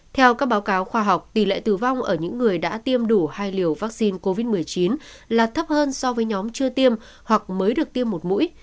theo các báo cáo khoa học tỷ lệ tử vong ở những người đã tiêm đủ hai liều vaccine covid một mươi chín là thấp hơn so với nhóm chưa tiêm hoặc mới được tiêm một mũi